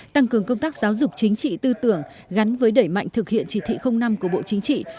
tăng cường công tác giáo dục chính trị tư tưởng gắn với đẩy mạnh thực hiện chỉ thị năm của bộ chính trị